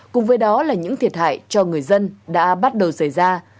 cùng với đó là những thiệt hại cho người dân đã bắt đầu xảy ra